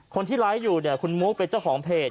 คนที่ไลฟ์อยู่เนี่ยคุณมุกเป็นเจ้าของเพจ